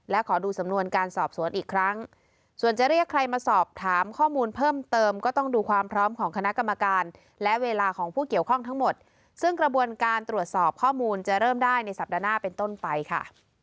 และขอดูสำนวนการสอบสวนอีกครั้งส่วนจะเรียกใครมาสอบถามข้อมูลเพิ่มเติมก็ต้องดูความพร้อมของคณะกรรมการและเวลาของผู้เกี่ยวข้องทั้งหมดซึ่งกระบวนการตรวจสอบข้อมูลจะเริ่มได้ในสัปดาห์หน้าเป็นต้นไปค่ะ